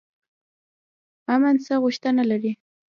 امن څه غوښتنه لري؟